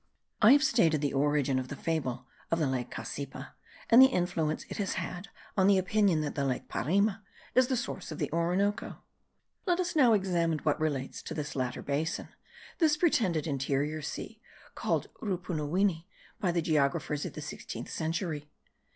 I have stated the origin of the fable of the lake Cassipa, and the influence it has had on the opinion that the lake Parima is the source of the Orinoco. Let us now examine what relates to this latter basin, this pretended interior sea, called Rupunuwini by the geographers of the sixteenth century.